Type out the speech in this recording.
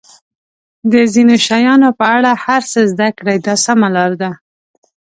د ځینو شیانو په اړه هر څه زده کړئ دا سمه لار ده.